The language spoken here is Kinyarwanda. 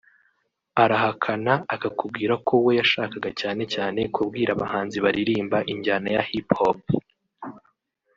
arahakana akakubwira ko we yashakaga cyane cyane kubwira abahanzi baririmba injyana ya Hip Hop